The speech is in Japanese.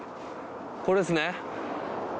これですね。